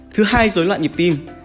thứ hai dối loạn nhịp tim